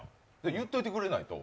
言っといてくれないと。